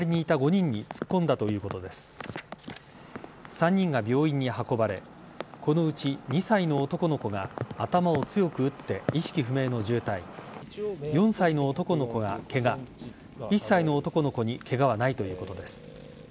３人が病院に運ばれこのうち２歳の男の子が頭を強く打って意識不明の重体４歳の男の子がケガ１歳の男の子にケガはないということです。